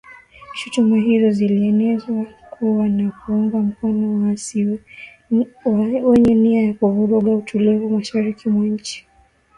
Shutuma hizo zinaelezewa kuwa za kuunga mkono waasi , wenye nia ya kuvuruga utulivu mashariki mwa nchi hiyo